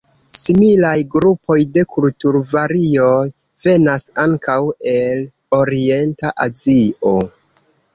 Similaj grupoj de kulturvarioj venas ankaŭ el orienta Azio.